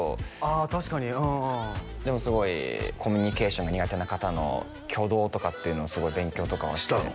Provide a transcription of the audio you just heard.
あ確かにうんうんでもすごいコミュニケーションが苦手な方の挙動とかっていうのをすごい勉強とかはしてしたの？